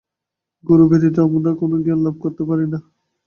গুরু ব্যতীত আমরা কোন জ্ঞানলাভ করিতে পারি না।